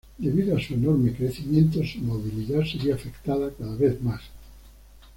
Debido a su enorme crecimiento, su movilidad se vio afectada cada vez más.